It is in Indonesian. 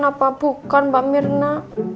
apa bukan mbak mirna